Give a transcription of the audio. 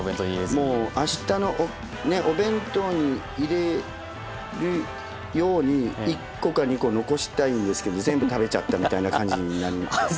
もうあしたのお弁当に入れるように１個か２個残したいんですけど全部食べちゃったみたいな感じになりますね。